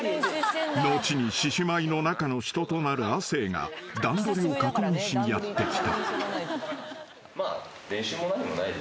［後に獅子舞の中の人となる亜生が段取りを確認しにやって来た］